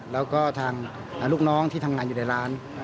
แล้วก็ทางลูกน้องที่ทำงานอยู่ในร้าน